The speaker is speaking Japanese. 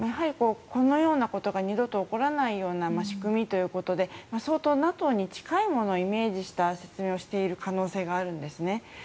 このようなことが二度と起こらないような仕組みということで相当、ＮＡＴＯに近いものをイメージした説明をしている可能性があると思いますね。